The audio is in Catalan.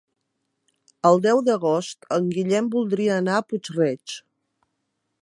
El deu d'agost en Guillem voldria anar a Puig-reig.